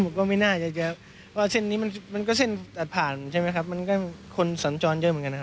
งานงามงานก็ไม่น่าจะทำกันขนาดนั้นหรอก